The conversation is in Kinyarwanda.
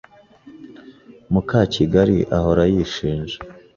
Mukakigali ahora yishinja.